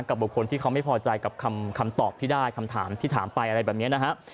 บุคคลที่เขาไม่พอใจกับคำตอบที่ได้คำถามที่ถามไปอะไรแบบนี้นะฮะ